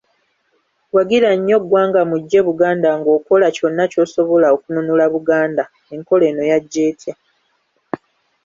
Wagira nnyo Ggwangamujje Buganda ng’okola kyonna ky’osobola Okunnunula Buganda Enkola eno yajja etya?